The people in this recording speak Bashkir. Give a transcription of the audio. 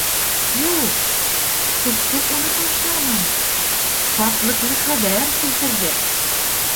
Юҡ, ҡошсоҡ уны ташламаны, шатлыҡлы хәбәр килтерҙе.